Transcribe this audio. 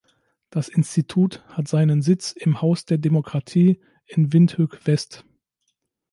Das Institut hat seinen Sitz im "Haus der Demokratie" in Windhoek-West.